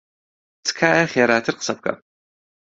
تکایە خێراتر قسە بکە.